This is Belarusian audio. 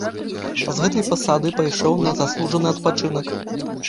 З гэтай пасады пайшоў на заслужаны адпачынак.